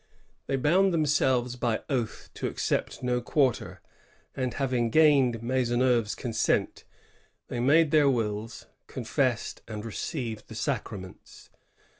They bound themselves by oath to accept no quarter; and, having gained Maisonneuve's consent, they made their wills, confessed, and received the sacraments.